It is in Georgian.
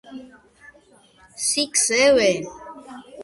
მანამდე პრეზიდენტის თანამდებობა ბრაზილიაში ლუის ინასიუ ლულა და სილვას ეკავა.